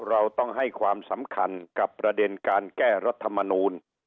เราต้องให้ความสำคัญกับประเด็นการแก้รัฐมนูล